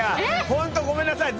ホントごめんなさい。